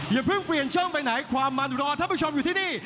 อย่าเพิ่งเปลี่ยนช่องไปไหนความมันรอท่านผู้ชมอยู่ที่นี่